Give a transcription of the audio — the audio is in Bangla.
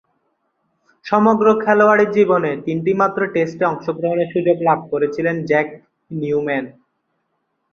সমগ্র খেলোয়াড়ী জীবনে তিনটিমাত্র টেস্টে অংশগ্রহণের সুযোগ লাভ করেছিলেন জ্যাক নিউম্যান।